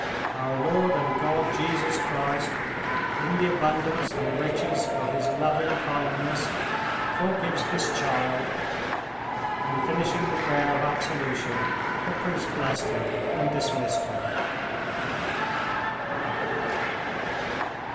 "Our Lord and God, Jesus Christ, in the abundance and riches of His loving kindness, forgives this child...." and, finishing the prayer of absolution, the priest blessed him and dismissed him.